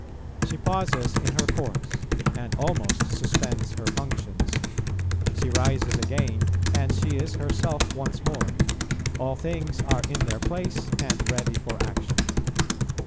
She pauses in her course, and almost suspends her functions; she rises again, and she is herself once more; all things are in their place and ready for action.